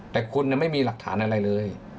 แต่คุณไม่มีหลักฐานอะไรเลย